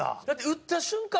打った瞬間